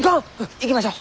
行きましょう！